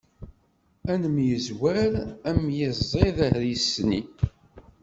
Ad nemyezwer, am yiẓid ar isni.